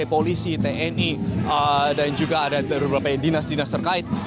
polisi tni dan juga ada beberapa dinas dinas terkait